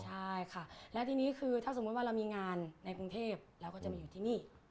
ใช่ค่ะแล้วทีนี้คือถ้าสมมุติว่าเรามีงานในกรุงเทพเราก็จะมีอยู่ที่นี่